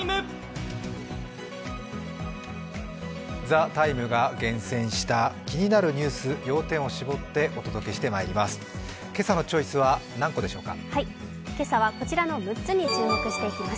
「ＴＨＥＴＩＭＥ，」が厳選した気になるニュース、要点を絞ってお届けします。